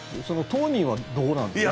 当人はどうなんですか？